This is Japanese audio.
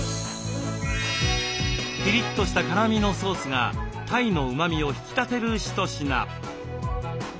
ピリッとした辛みのソースが鯛のうまみを引き立てる一品。